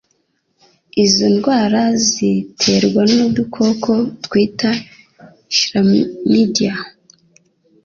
Izo ndwara ziterwa n'udukoko twitwa chlamydia